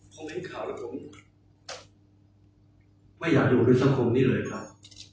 ผมเห็นข่าวแล้วผมไม่อยากอยู่ด้วยสังคมนี้เลยครับ